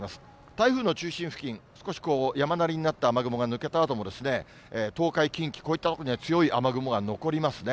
台風の中心付近、少し山なりになった雨雲が抜けたあとも、東海、近畿、こういった所には強い雨雲が残りますね。